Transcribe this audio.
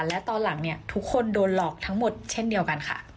และตอนหลังเนี่ยทุกคนโดนหลอกทั้งหมดเช่นเดียวกันค่ะ